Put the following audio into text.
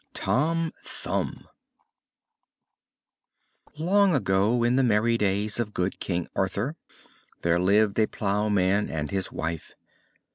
TOM THUMB Long ago, in the merry days of good King Arthur, there lived a ploughman and his wife.